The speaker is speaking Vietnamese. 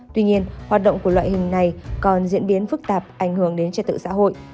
tuy nhiên hoạt động của loại hình này còn diễn biến phức tạp ảnh hưởng đến trật tự xã hội